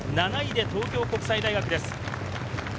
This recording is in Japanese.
７位で東京国際大学です。